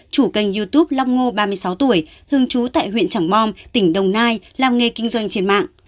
chủ kênh youtube long ngô ba mươi sáu tuổi thường trú tại huyện trảng bom tỉnh đồng nai làm nghề kinh doanh trên mạng